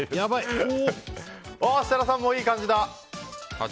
設楽さんもいい感じだ。